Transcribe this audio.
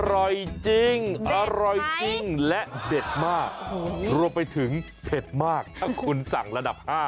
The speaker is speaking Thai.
อร่อยจริงและเด็ดมากรวมไปถึงเผ็ดมากคุณสั่งระดับ๕